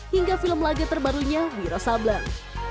hingga film laget terbarunya wiro sableng